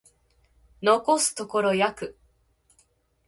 残すところ約